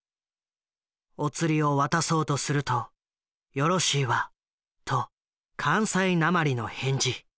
お釣りを渡そうとすると「よろしいワ」と関西なまりの返事。